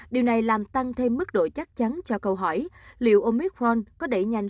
điều này làm tăng thêm mức độ chắc chắn cho câu hỏi liệu omicron có đẩy nhanh